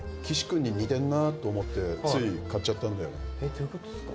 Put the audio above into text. どういうことっすか？